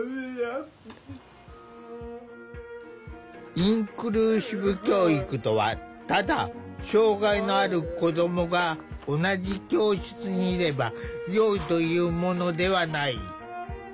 インクルーシブ教育とはただ障害のある子どもが同じ教室にいればよいというものではない。